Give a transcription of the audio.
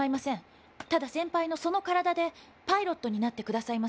ただ先輩のその体でパイロットになってくださいませんか？